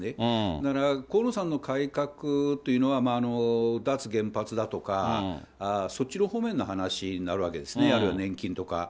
だから河野さんの改革というのは、脱原発だとか、そっちの方面の話になるわけですね、あるいは年金とか。